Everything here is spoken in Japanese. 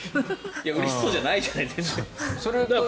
うれしいじゃないじゃないですか。